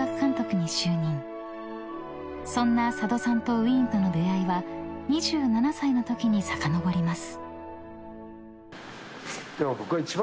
［そんな佐渡さんとウィーンとの出合いは２７歳のときにさかのぼります］